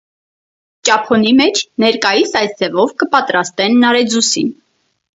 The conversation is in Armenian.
Ճափոնի մէջ ներկայիս այս ձեւով կը պատրաստեն նարեձուսին։